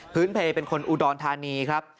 พื้นเพลย์เป็นคนอุดอลธานีครับ